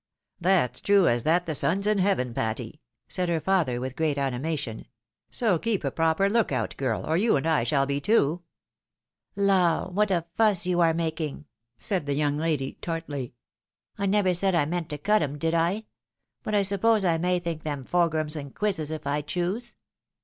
" That's true as that the sun's in heaven, Patty," said her father, with great animation ; "so keep a proper look out girl, or you and I shall be two." " La ! what a fuss you are making! " said the young lady, tartly ;" I never said I meant to cut 'em, did I? But I sup pose I may think them fogrums and quizzes, if I choose